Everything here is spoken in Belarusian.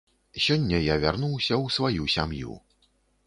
Сёння я вярнуўся ў сваю сям'ю.